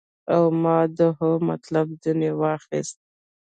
او ما د هو مطلب ځنې واخيست.